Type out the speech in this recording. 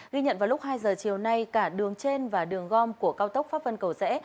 ghi nhận vào lúc hai giờ chiều nay cả đường trên và đường gom của cao tốc pháp vân cầu rẽ